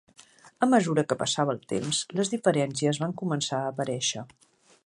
A mesura que passava el temps, les diferències van començar a aparèixer.